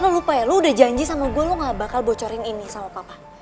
lu lupa ya lu udah janji sama gue lo gak bakal bocorin ini sama papa